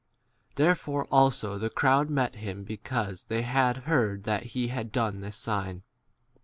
There fore also the crowd met him be cause they had heard that he had 19 done this sign.